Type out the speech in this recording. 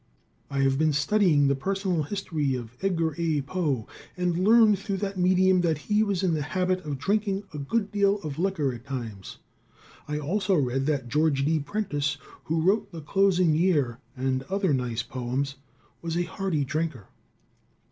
I have been studying the personal history of Edgar A. Poe, and learned through that medium that he was in the habit of drinking a good deal of liquor at times. I also read that George D. Prentice, who wrote 'The Closing Year,' and other nice poems, was a hearty drinker.